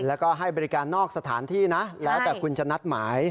แล้วก็ให้บริการนอกสถานที่นะแล้วแต่คุณจะนัดหมาย